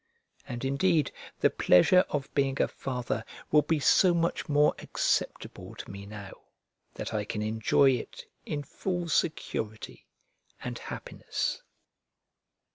And indeed the pleasure of being a father will be so much more acceptable to me now, that I can enjoy it in full security and happiness.